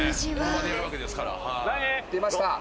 出ました。